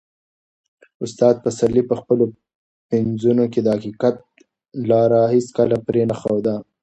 استاد پسرلي په خپلو پنځونو کې د حقیقت لاره هیڅکله پرې نه ښوده.